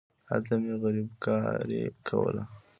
هلته مې غريبکاري کوله.